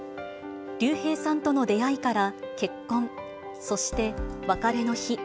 竜兵さんとの出会いから結婚、そして別れの日。